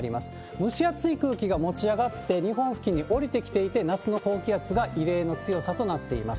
蒸し暑い空気が持ち上がって、日本付近に下りてきていて、夏の高気圧が異例の強さとなっています。